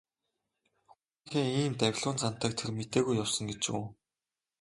Хүүгийнхээ ийм давилуун зантайг тэр мэдээгүй явсан гэж үү.